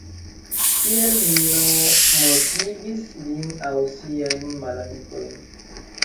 Tiel Minoo mortigis lin aŭ siajn malamikojn.